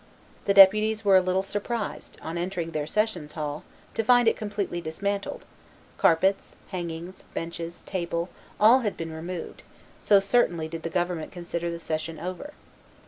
The deputies were a little surprised, on entering their sessions hall, to find it completely dismantled: carpets, hangings, benches, table, all had been removed, so certainly did the government consider the session over.